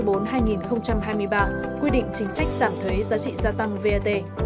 quy định chính sách giảm thuế giá trị gia tăng vat